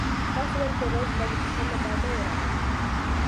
تاسو ولې تېره ورځ زما د پوښتنې لپاره نه وئ راغلي؟